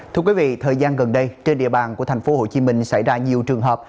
thưa quý vị thời gian gần đây trên địa bàn của thành phố hồ chí minh xảy ra nhiều trường hợp